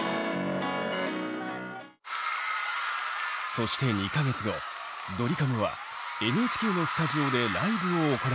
そして２か月後ドリカムはＮＨＫのスタジオでライブを行います。